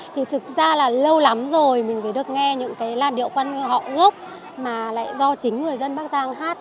thì thực ra là lâu lắm rồi mình phải được nghe những cái làn điệu quan họ ngốc mà lại do chính người dân bắc giang hát